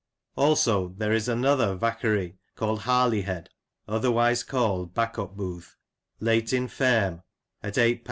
Also there is another vaccherye called Harleyhead, otherwise called Bacop bothe, late in Ferme, at ;^8, 13s.